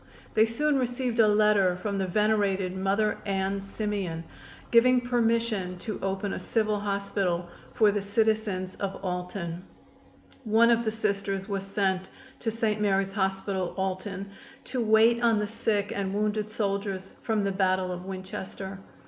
They soon received a letter from the venerated Mother Ann Simeon, giving permission to open a civil hospital for the citizens of Alton. One of the Sisters was sent to St. Joseph's Hospital, Alton, to wait on the sick and wounded soldiers from the battle of Winchester.